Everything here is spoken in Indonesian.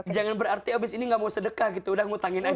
jangan berarti abis ini gak mau sedekah gitu udah ngutangin aja